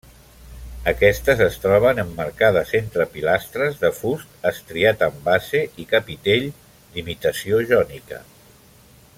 Aquestes es troben emmarcades entre pilastres de fust estriat amb base i capitell d'imitació jònica.